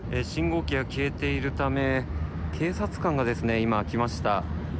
信号機が消えているため警察官が来ました。